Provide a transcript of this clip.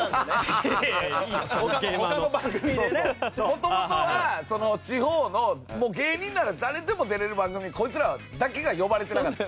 元々は地方の芸人なら誰でも出れる番組にこいつらだけが呼ばれてなかった。